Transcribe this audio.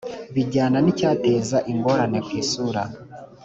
bijyana n icyateza ingorane ku isura